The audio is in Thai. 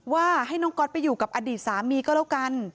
ว่าให้น้องก๊อตไปอยู่กับอดีตสามีก็แล้วกัน